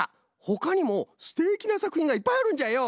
ほかにもすてきなさくひんがいっぱいあるんじゃよ。